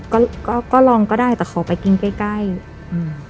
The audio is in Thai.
ก็ก็ก็ลองก็ได้แต่ขอไปกินใกล้ใกล้อืม